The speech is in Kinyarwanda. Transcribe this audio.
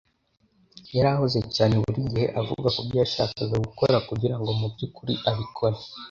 Yari ahuze cyane buri gihe avuga kubyo yashakaga gukora kugirango mubyukuri abikore.